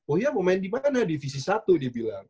oh iya mau main di mana divisi satu dia bilang